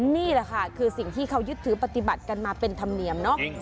นี่แหละค่ะคือสิ่งที่เขายึดถือปฏิบัติกันมาเป็นธรรมเนียมเนอะ